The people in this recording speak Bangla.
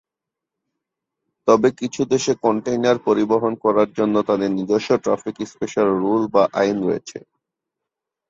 তবে কিছু দেশে কন্টেইনার পরিবহন করার জন্য তাদের নিজস্ব ট্রাফিক স্পেশাল রুল বা আইন রয়েছে।